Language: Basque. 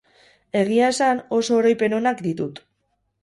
Egia esan, oso oroipen onak ditut.